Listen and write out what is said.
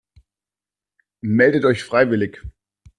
Meldet euch freiwillig!